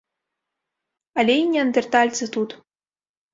Але і неандэртальцы тут.